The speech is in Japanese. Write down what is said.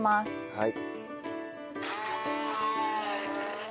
はい。